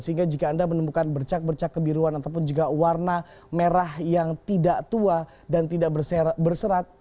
sehingga jika anda menemukan bercak bercak kebiruan ataupun juga warna merah yang tidak tua dan tidak berserat